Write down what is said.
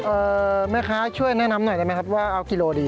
แม่ค้าช่วยแนะนำหน่อยได้ไหมครับว่าเอากิโลดี